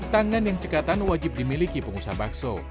tangan yang cekatan wajib dimiliki pengusaha bakso